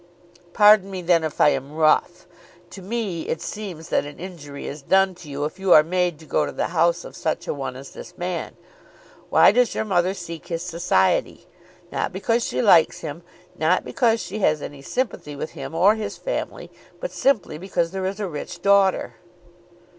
"Pardon me then if I am rough. To me it seems that an injury is done to you if you are made to go to the house of such a one as this man. Why does your mother seek his society? Not because she likes him; not because she has any sympathy with him or his family; but simply because there is a rich daughter."